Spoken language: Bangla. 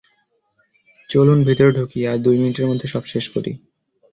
চলুন ভিতরে ঢুকি আর দুই মিনিটের মধ্যে সব শেষ করি।